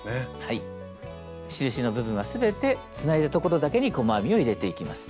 印の部分は全てつないだ所だけに細編みを入れていきます。